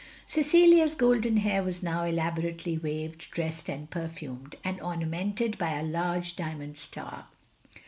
Cecilia's golden hair was now elaborately waved, dressed, and perfumed; and ornamented by a large diamond star.